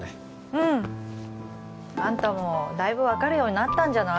うんあんたもだいぶ分かるようになったんじゃない？